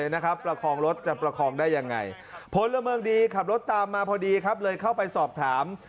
น่าจะไหวกินมาเยอะไหม